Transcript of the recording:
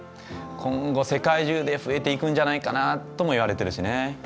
今後世界中で増えていくんじゃないかなともいわれてるしね。